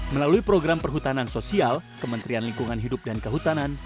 melalui program perhutanan sosial kementerian lingkungan hidup dan kehutanan